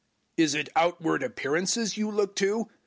010:007 Is it outward appearances you look to?